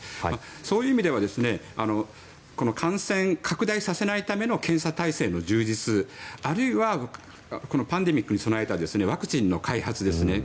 そういう意味では感染拡大させないための検査体制の充実あるいはこのパンデミックに備えたワクチンの開発ですね。